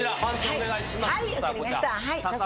お願いします。